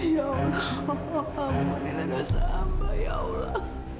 ya allah apa yang ada di sampah ya allah